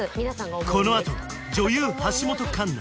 このあと女優橋本環奈